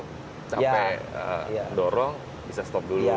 capek dorong bisa stop dulu gitu ya